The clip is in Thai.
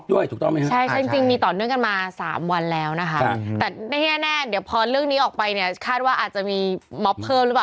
วันนี้ไม่ได้แต่งหน้าเออไม่ทันไม่ทันจะแต่งหน้า